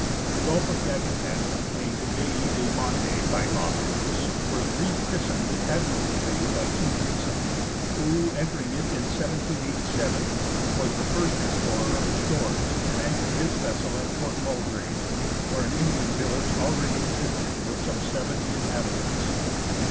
The Gulf of Yakutat, named " Baie de Monti " by La Perouse, was re christened " Admiralty Bay " by G. Dixon, who, entering it in 1787, was the first explorer of its shores, and anchored his vessel at Port Mulgrave, where an Indian village already existed with some seventy inhabitants.